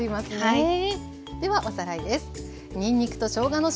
はい。